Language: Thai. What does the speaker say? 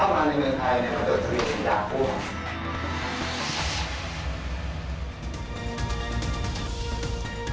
และเข้ามาในเมืองไทยมันเกิดสรุปสิทธิ์หลากภูมิ